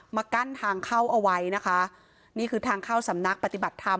มากั้นทางเข้าเอาไว้นะคะนี่คือทางเข้าสำนักปฏิบัติธรรม